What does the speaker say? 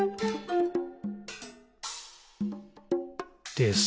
「です。」